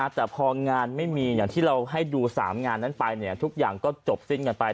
แต่พองานไม่มีอย่างที่เราให้ดู๓งานนั้นไปทุกอย่างก็จบสิ้นกันไป